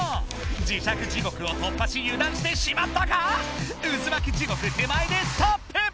磁石地獄を突破しゆだんしてしまったか⁉うずまき地獄手前でストップ！